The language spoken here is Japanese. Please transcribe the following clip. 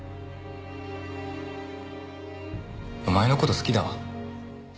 お前の事好きだわ。